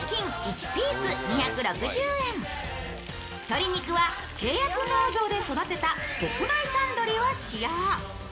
鶏肉は契約農場で育てた国内産鶏を使用。